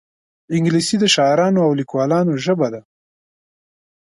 انګلیسي د شاعرانو او لیکوالانو ژبه ده